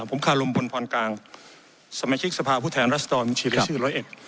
ผมคารมบลพรภัณฑ์กลางสมัครคริสต์ภาพหูแท้รัฐศาสตรฐ์ชีวิตแม่ซื่อ๑๐๑